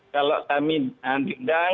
kalau kami diundang